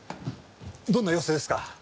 どんな様子ですか？